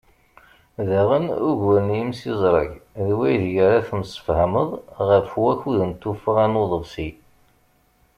Daɣen, ugur n yimsiẓreg d waydeg ara temsefhameḍ ɣef wakud n tuffɣa n uḍebsi.